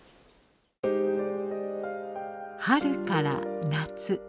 春から夏。